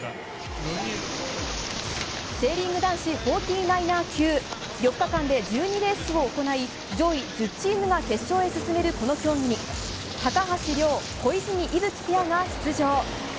セーリング男子フォーティーナイナー級、４日間で１２レースを行い、上位１０チームが決勝へ進めるこの競技に、高橋稜・小泉イブキペアが出場。